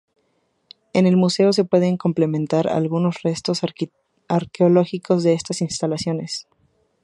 En el museo se pueden contemplar algunos restos arqueológicos de estas instalaciones.